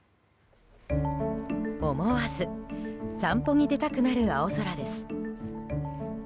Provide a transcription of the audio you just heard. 思わず散歩に出たくなる青空です。